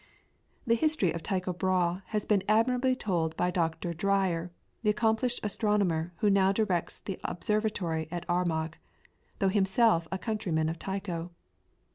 The history of Tycho Brahe has been admirably told by Dr. Dreyer, the accomplished astronomer who now directs the observatory at Armagh, though himself a countryman of Tycho.